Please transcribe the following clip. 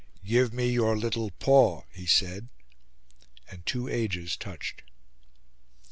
"Give me your little paw," he said; and two ages touched.